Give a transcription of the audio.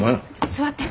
座って。